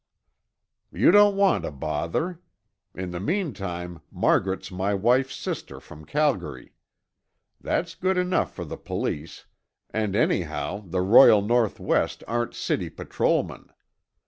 "You don't want to bother. In the meantime, Margaret's my wife's sister from Calgary. That's good enough for the police, and anyhow the Royal North West aren't city patrolmen.